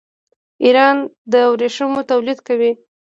ایران د ورېښمو تولید کوي.